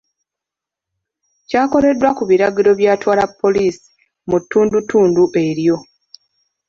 Kyakoleddwa ku biragiro by'atwala poliisi mu ttundutundu eryo.